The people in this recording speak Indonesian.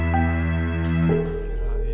lalu dia kira